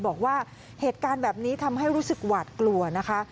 บอกว่าเหตุการณ์แบบนี้ทำให้รู้สึกหวาดกลัวนะคะ